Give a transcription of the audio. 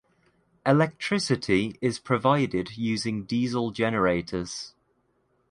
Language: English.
Electricity is provided using Diesel generators.